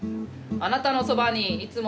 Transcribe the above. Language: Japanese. あなたのそばにいつも。